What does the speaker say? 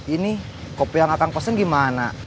ini kopi yang akan kosong gimana